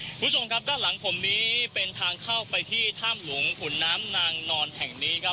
คุณผู้ชมครับด้านหลังผมนี้เป็นทางเข้าไปที่ถ้ำหลวงขุนน้ำนางนอนแห่งนี้ครับ